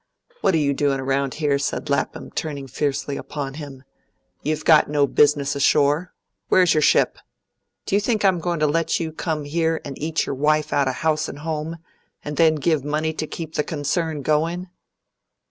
"What are you doing around here?" said Lapham, turning fiercely upon him. "You've got no business ashore. Where's your ship? Do you think I'm going to let you come here and eat your wife out of house and home, and then give money to keep the concern going?"